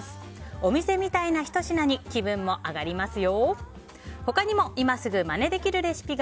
お店みたいなひと品に気分も上がりますよ。